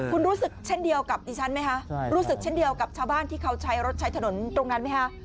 คุณรู้สึกเช่นเดียวกับชาวบ้านที่เขาใช้รถใช้ถนนตรงนั้นไหมคะ